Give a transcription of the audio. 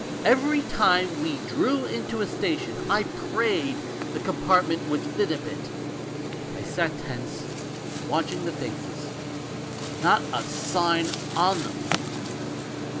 Every time we drew into a station I prayed the com partment would thin a bit ; I sat tense, watching the faces. Not a sign on them!